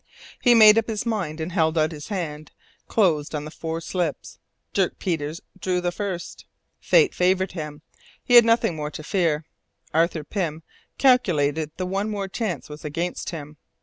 He made up his mind, and held out his hand, closed on the four slips. Dirk Peters drew the first. Fate had favoured him. He had nothing more to fear. Arthur Pym calculated that one more chance was against him.